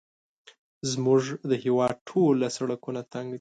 زموږ د هېواد ټوله سړکونه تنګ دي